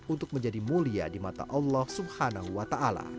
untuk menjadi mulia di mata allah swt